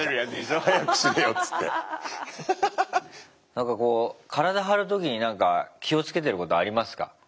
なんかこう体張る時になんか気をつけてることありますか？